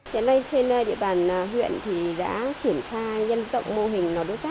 hiện nay trên địa bàn huyện thì đã triển khai nhân rộng mô hình lò đốt rác này ra trên toàn bộ một mươi sáu xã thị trấn